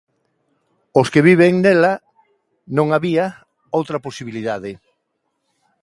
Os que viven nela, non había outra posibilidade.